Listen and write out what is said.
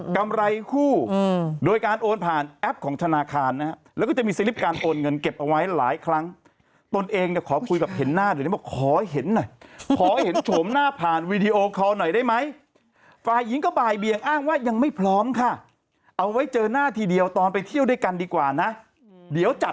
กำไรคู่โดยการโอนผ่านแอปของธนาคารนะฮะแล้วก็จะมีสลิปการโอนเงินเก็บเอาไว้หลายครั้งตนเองเนี่ยขอคุยแบบเห็นหน้าเดี๋ยวนี้บอกขอเห็นหน่อยขอเห็นโฉมหน้าผ่านวีดีโอคอลหน่อยได้ไหมฝ่ายหญิงก็บ่ายเบียงอ้างว่ายังไม่พร้อมค่ะเอาไว้เจอหน้าทีเดียวตอนไปเที่ยวด้วยกันดีกว่านะเดี๋ยวจัด